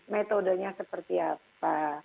metodenya seperti apa